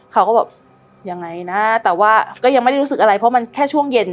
เขาก็บอกยังไงนะแต่ว่าก็ยังไม่ได้รู้สึกอะไรเพราะมันแค่ช่วงเย็น